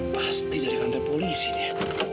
pasti dari kantor polisi dia